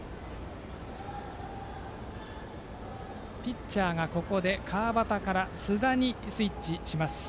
ピッチャーがここで川端から須田にスイッチします。